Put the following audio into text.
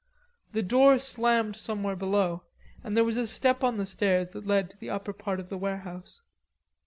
The door slammed somewhere below and there was a step on the stairs that led to the upper part of the warehouse.